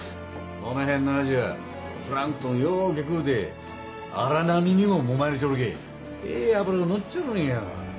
この辺のアジはプランクトンようけ食うて荒波にももまれちょるけぇええ脂がのっちょるんよ。